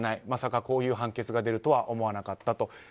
まさか、こういう判決が出るとは思わなかったと。